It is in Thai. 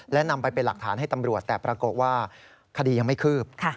และนำไปเป็นหลักฐานให้ตำรวจแต่ปรากฏว่าคดียังไม่คืบ